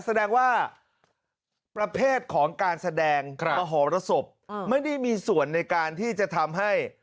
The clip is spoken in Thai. แสดงว่าประเภทของการแสดงมหรสบไม่ได้มีส่วนในการที่จะทำให้